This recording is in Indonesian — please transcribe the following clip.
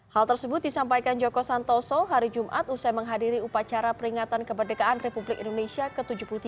hal tersebut disampaikan joko santoso hari jumat usai menghadiri upacara peringatan kemerdekaan republik indonesia ke tujuh puluh tiga